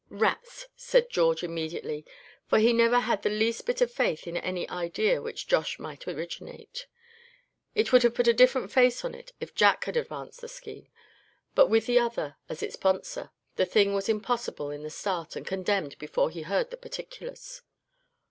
"Rats!" said George, immediately, for he never had the least bit of faith in any idea which Josh might originate; it would have put a different face on it if Jack had advanced the scheme; but with the other as its sponsor, the thing was impossible in the start and condemned before he heard the particulars.